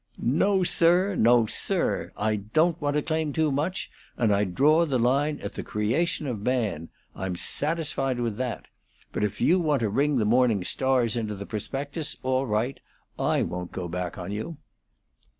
"No, sir; no, sir! I don't want to claim too much, and I draw the line at the creation of man. I'm satisfied with that. But if you want to ring the morning stars into the prospectus all right; I won't go back on you."